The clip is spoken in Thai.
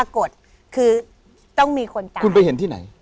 คุณไปเห็นที่ไหน